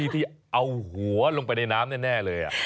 ที่เอาหัวลงไปในน้ำแน่เลย